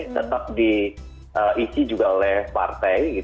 tetap diisi juga oleh partai